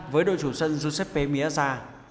với đội chủ sân giuseppe miazza